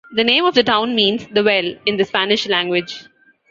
The name of the town means "The Well" in the Spanish language.